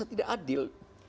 tapi tidak adil